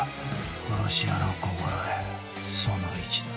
殺し屋の心得その１だ。